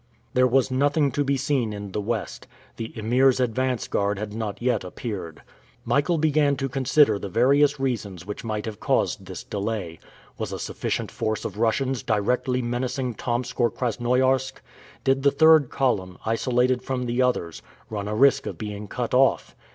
There was nothing to be seen in the West; the Emir's advance guard had not yet appeared. Michael began to consider the various reasons which might have caused this delay. Was a sufficient force of Russians directly menacing Tomsk or Krasnoiarsk? Did the third column, isolated from the others, run a risk of being cut off?